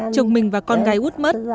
chồng mình và con gái út mất